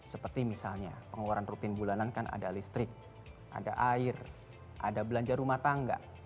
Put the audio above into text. seperti misalnya pengeluaran rutin bulanan kan ada listrik ada air ada belanja rumah tangga